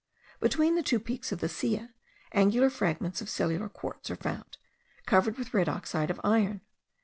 Between the two peaks of the Silla, angular fragments of cellular quartz are found, covered with red oxide of iron.